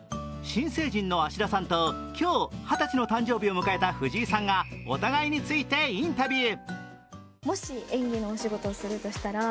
新成人の芦田さんと今日、二十歳の誕生日を迎えた藤井さんがお互いについてインタビュー。